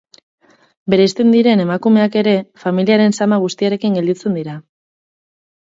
Bereizten diren emakumeak ere, familiaren zama guztiarekin gelditzen dira.